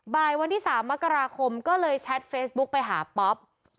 บ่ายวันที่๓มกราคมก็เลยแชทเฟซบุ๊กไปหาป๊อป